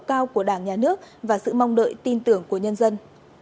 cao của đảng nhà nước và sự mong đợi tin tưởng của nhân dân